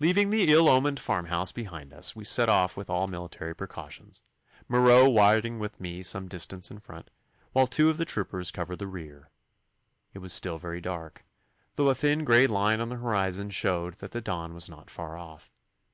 Leaving the ill omened farmhouse behind us we set off with all military precautions, Marot riding with me some distance in front, while two of the troopers covered the rear. It was still very dark, though a thin grey line on the horizon showed that the dawn was not far off.